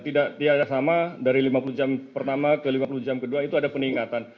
tidak ada sama dari lima puluh jam pertama ke lima puluh jam kedua itu ada peningkatan